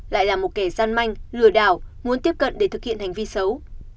lại là một kẻ gian manh lừa đảo muốn tiếp cận để thực hiện hành vi xấu